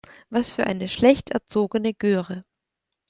Was für eine schlecht erzogene Göre.